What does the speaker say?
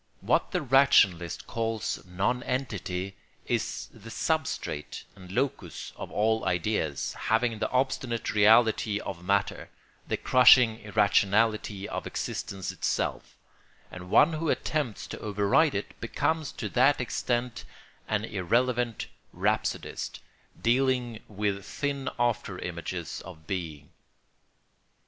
What the rationalist calls nonentity is the substrate and locus of all ideas, having the obstinate reality of matter, the crushing irrationality of existence itself; and one who attempts to override it becomes to that extent an irrelevant rhapsodist, dealing with thin after images of being.